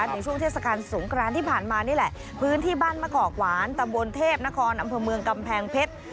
ในช่วงเทศกาลสงครานที่ผ่านมานี่แหละพื้นที่บ้านมะกอกหวานตำบลเทพนครอำเภอเมืองกำแพงเพชร